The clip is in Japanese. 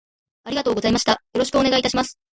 ありがとうございましたよろしくお願いします